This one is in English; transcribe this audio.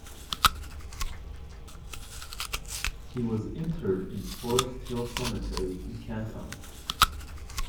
He was interred in Forest Hill Cemetery in Canton.